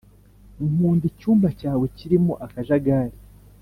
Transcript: nkunda icyumba cyawe kirimo akajagari.